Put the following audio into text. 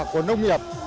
của nông nghiệp